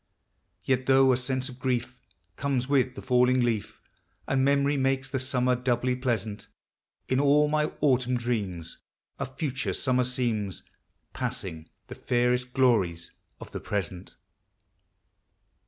Yet, though a sense of grief Comes with the falling leaf, And memory makes the summer doubly pleasant, In all my autumn dreams A future summer gleams, Passing the fairest glories of the present!